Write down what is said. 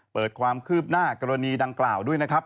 เปิดความคืบหน้ากรณีดังกล่าวด้วยนะครับ